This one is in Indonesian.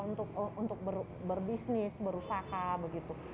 untuk berbisnis berusaha begitu